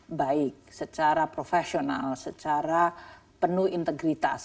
dan ini bisa dilakukan secara baik secara profesional secara penuh integritas